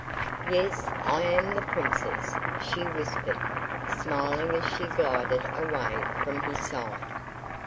"Yes, I am the Princess," she whispered, smiling as she glided away from his side.